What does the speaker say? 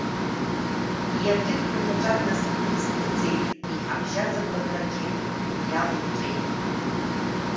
Иаргьы дгәырӷьаҵәа днасԥырҵны дцеит, иҳабжьаз агәрагарагьы убриала инҵәеит…